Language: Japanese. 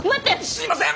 すいません！